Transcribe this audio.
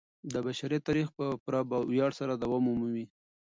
د بشریت تاریخ به په پوره ویاړ سره دوام ومومي.